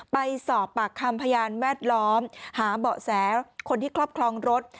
ไปสอบปากคำพยานแวดล้อมหาเบาะแสคนที่ครอบครองรถ